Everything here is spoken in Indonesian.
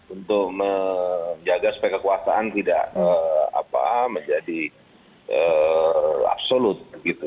untuk menjaga supaya kekuasaan tidak menjadi absolut